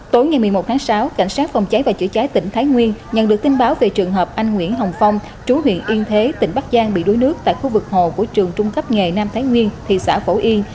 tối ngày một mươi một tháng sáu cảnh sát phòng cháy và chữa cháy tỉnh thái nguyên nhận được tin báo về trường hợp anh nguyễn hồng phong chú huyện yên thế tỉnh bắc giang bị đuối nước tại khu vực hồ của trường trung cấp nghề nam thái nguyên thị xã phổ yên